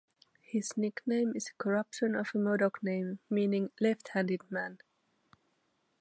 His nickname is a corruption of a Modoc name meaning Left-handed Man.